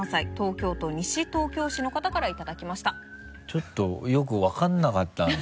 ちょっとよく分からなかったんですけど。